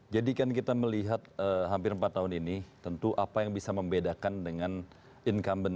jadi kan kita melihat hampir empat tahun ini tentu apa yang bisa membedakan dengan incumbent